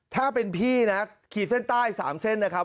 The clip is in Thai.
ถ้าเป็นพี่นะขีดเส้นใต้๓เส้นนะครับ